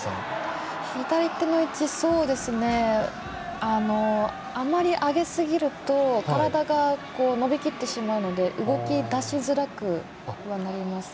左手の位置あまり上げすぎると体が伸びきってしまうので動き出しづらくなります。